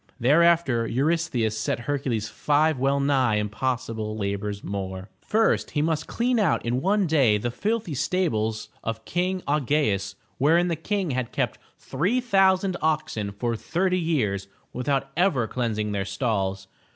Thereafter, Eurystheus set Hercules five well nigh impossible labors more. First, he must clean out in one day the filthy stables of King Au ge'us wherein the King had kept three thousand oxen for thirty years without ever cleansing their stalls.